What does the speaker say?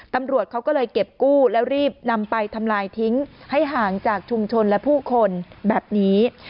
ตำรวจเขาก็เลยเก็บกู้แล้วรีบนำไปทำลายทิ้งให้ห่างจากชุมชนและผู้คนแบบนี้